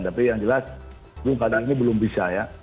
tapi yang jelas ini kadang belum bisa ya